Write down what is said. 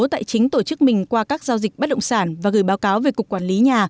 tài chính tổ chức mình qua các giao dịch bất động sản và gửi báo cáo về cục quản lý nhà